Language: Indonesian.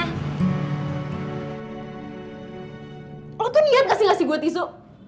lo tuh niat kasih kasih gue tisu